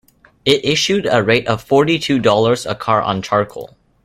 It issued a rate of forty two dollars a car on charcoal.